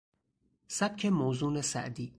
سبک موزون سعدی